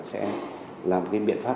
sẽ làm cái biện pháp